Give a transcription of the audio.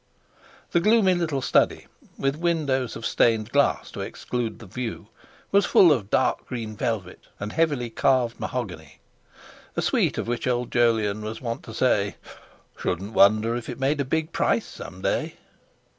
The gloomy little study, with windows of stained glass to exclude the view, was full of dark green velvet and heavily carved mahogany—a suite of which old Jolyon was wont to say: "Shouldn't wonder if it made a big price some day!"